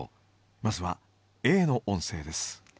まずはＡの音声です。